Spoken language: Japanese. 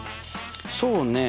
そうねえ